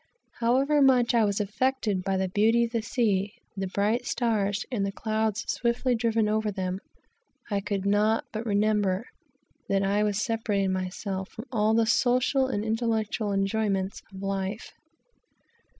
However much I was affected by the beauty of the sea, the bright stars, and the clouds driven swiftly over them, I could not but remember that I was separating myself from all the social and intellectual enjoyments of life.